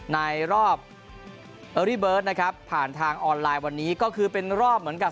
ในรอบนะครับผ่านทางออนไลน์วันนี้ก็คือเป็นรอบเหมือนกับ